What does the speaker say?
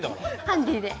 ハンディーで。